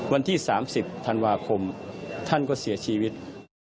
วันที่๓๐ธันวาคมท่านก็เสียชีวิต